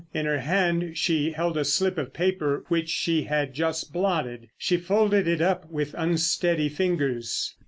In her hand she held a slip of paper which she had just blotted. She folded it up with unsteady fingers.